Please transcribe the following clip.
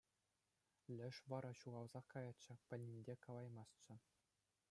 Леш вара ҫухалсах каятчӗ, пӗлнине те калаймастчӗ.